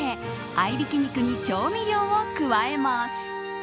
合いびき肉に調味料を加えます。